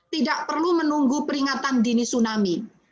tidak perlu menunggu peringatan dini tsunami